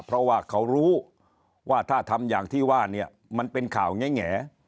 เพราะว่าเขารู้ว่าถ้าทำอย่างที่ว่าเนี่ยมันเป็นข่าวแง่